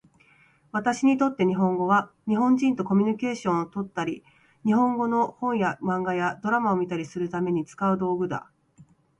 私にとって日本語は、日本人とコミュニケーションをとったり、日本語の本や漫画やドラマを見たりするために使う道具だ。